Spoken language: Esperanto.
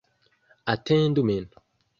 Atendu min.